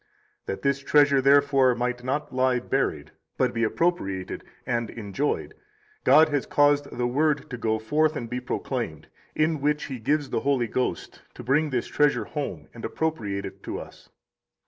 That this treasure, therefore, might not lie buried, but be appropriated and enjoyed, God has caused the Word to go forth and be proclaimed, in which He gives the Holy Ghost to bring this treasure home and appropriate it to us.